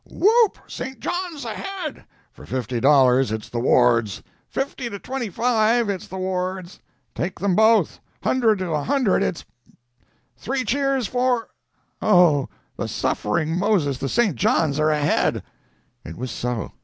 "Whoop! St. John's ahead!" "For fifty dollars it's the Wards!" "Fifty to twenty five it's the Wards!" "Take them both!—hundred to a hundred it's ______" "Three cheers for—Oh, the suffering Moses, the St. John's are ahead!" It was so.